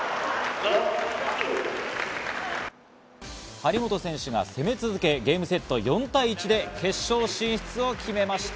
張本選手が攻め続け、ゲームセット、４対１で決勝進出を決めました。